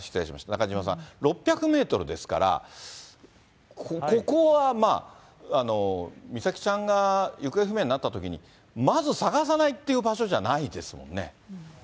中島さん、６００メートルですから、ここはまあ、美咲ちゃんが行方不明になったときに、まず捜さないって場所じゃないですもんね。